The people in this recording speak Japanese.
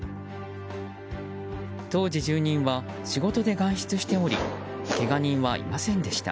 当時、住人は仕事で外出しておりけが人はいませんでした。